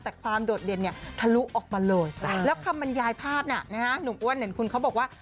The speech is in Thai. แต่ความโดดเด่นเนี่ยทะลุออกมาเลยแล้วคำบรรยายภาพน่ะนะฮะหนุ่มอ้วนเห็นคุณเขาบอกว่า